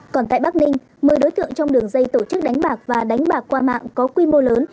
còn tại bắc ninh một mươi đối tượng trong đường dây tổ chức đánh bạc và đánh bạc qua mạng có quy mô lớn